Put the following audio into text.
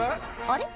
あれ？